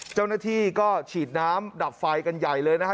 เจ้าหน้าที่ก็ฉีดน้ำดับไฟกันใหญ่เลยนะฮะ